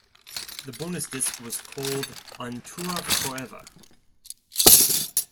The bonus disc was called "On Tour Forever".